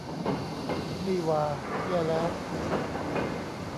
นี่หว่า แย่แล้ว